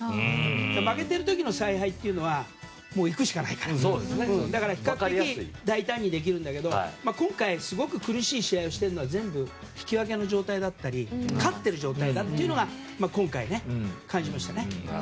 負けてる時の采配っていうのは行くしかないから比較的、大胆にできるんだけど今回、すごく苦しい試合をしてるのは全部、引き分けの状態だったり勝ってる状態だっていうのが今回感じましたね。